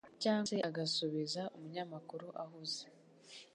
cyangwa se agasubiza umunyamakuru ahuze